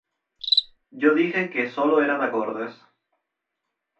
Yo dije que sólo eran acordes.